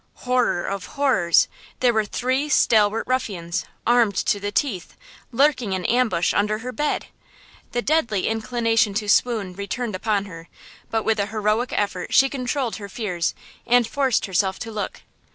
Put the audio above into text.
Horror of horrors there were three stalwart ruffians, armed to the teeth, lurking in ambush under her bed! The deadly inclination to swoon returned upon her; but with a heroic effort she controlled her fears and forced herself to look.